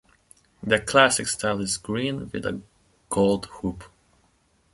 The 'classic' style is green with a gold hoop.